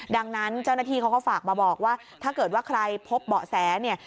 ดังนั้นเจ้าหน้าที่เขาก็ฝากมาบอกว่าถ้าเกิดว่าใครพบเบาะแสเนี่ย